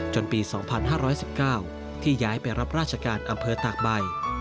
ปี๒๕๑๙ที่ย้ายไปรับราชการอำเภอตากใบ